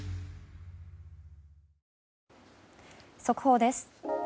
速報です。